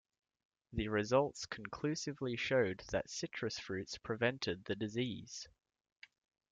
The results conclusively showed that citrus fruits prevented the disease.